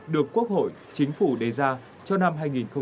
được quốc hội chính phủ đề ra cho năm hai nghìn hai mươi